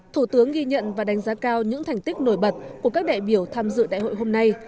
thủ tướng ghi nhận và đánh giá cao những thành tích nổi bật của các đại biểu tham dự đại hội hôm nay